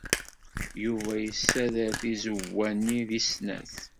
Yuba yessader tizewwa-nni deg snat.